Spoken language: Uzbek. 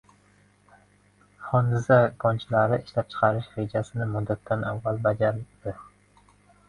Xondiza konchilari ishlab chiqarish rejasini muddatidan avval bajardi